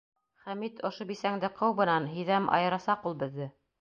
Хәмит, ошо бисәңде ҡыу бынан, һиҙәм, айырасаҡ ул беҙҙе.